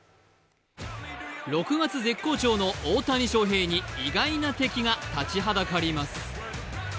６月絶好調の大谷翔平に意外な敵が立ちはだかります。